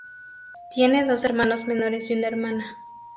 Tiene dos hermanos menores y una hermana.